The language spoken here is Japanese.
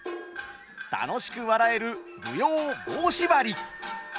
楽しく笑える舞踊「棒しばり」。